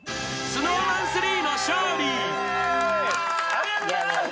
ありがとうございます！